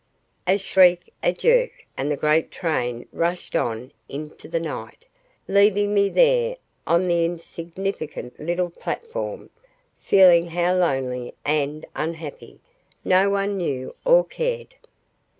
A shriek, a jerk, and the great train rushed on into the night, leaving me there on the insignificant little platform, feeling how lonely and unhappy, no one knew or cared.